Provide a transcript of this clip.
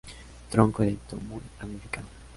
Tronco erecto, muy ramificado.